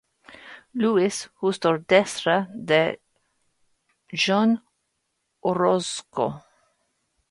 Louis, justo detrás de John Orozco.